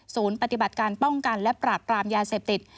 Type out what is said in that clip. ปฏิบัติการป้องกันและปราบปรามยาเสพติด